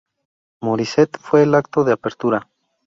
Morissette fue el acto de apertura.